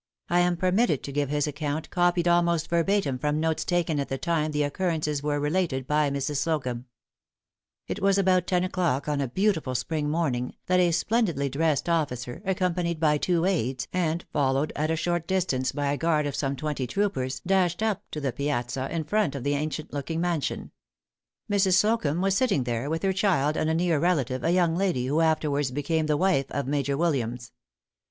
I am permitted to give his account, copied almost verbatim from notes taken at the time the occurrences were related by Mrs. Slocumb. It was about ten o'clock on a beautiful spring morning, that a splendidly dressed officer, accompanied by two aids, and followed at a short distance by a guard of some twenty troopers, dashed up to the piazza in front of the ancient looking mansion. Mrs. Slocumb was sitting there, with her child and a near relative, a young lady, who afterwards became the wife of Major Williams.